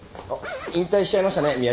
あっ引退しちゃいましたね